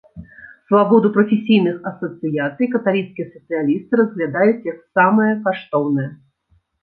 Свабоду прафесійных асацыяцый каталіцкія сацыялісты разглядаюць, як самае каштоўнае.